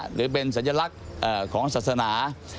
หรือเป็นสัญลักษณ์ของศาสนา